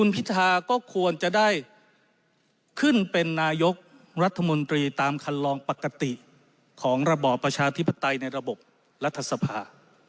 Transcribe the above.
พิธาก็ควรจะได้ขึ้นเป็นนายกรัฐมนตรีตามคันลองปกติของระบอบประชาธิปไตยในระบบรัฐสภา